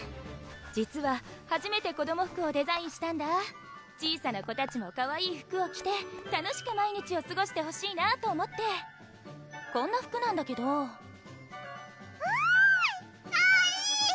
実ははじめて子ども服をデザインしたんだ小さな子たちもかわいい服を着て楽しく毎日をすごしてほしいなと思ってこんな服なんだけどわぁかぁいい！